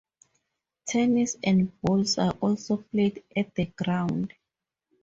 Tennis and bowls are also played at the ground.